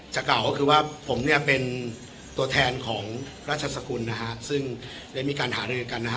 กล่าวก็คือว่าผมเนี่ยเป็นตัวแทนของราชสกุลนะฮะซึ่งได้มีการหารือกันนะฮะ